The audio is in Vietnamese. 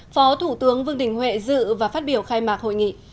phó thủ tướng vương đình huệ dự và phát biểu khai mạc hội nghị